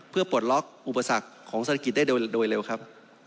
เพื่อปลดล็อกอุปสรรคของเศรษฐกิจได้โดยเร็วครับ